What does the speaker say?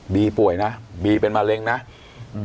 ป่วยนะบีเป็นมะเร็งนะอืม